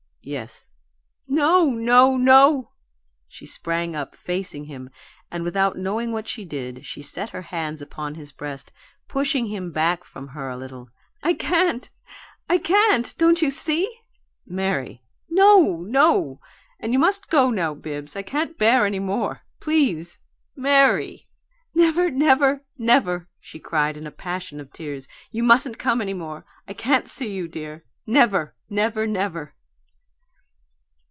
"Yes." "No, no, no!" She sprang up, facing him, and, without knowing what she did, she set her hands upon his breast, pushing him back from her a little. "I can't, I can't! Don't you SEE?" "Mary " "No, no! And you must go now, Bibbs; I can't bear any more please " "MARY " "Never, never, never!" she cried, in a passion of tears. "You mustn't come any more. I can't see you, dear! Never, never, never!"